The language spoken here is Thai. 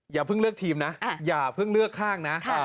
อย่าเพิ่งเลือกทีมนะอย่าเพิ่งเลือกข้างนะ